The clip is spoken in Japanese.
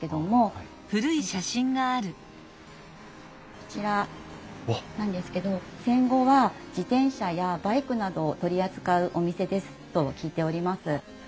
こちらなんですけど戦後は自転車やバイクなどを取り扱うお店ですと聞いております。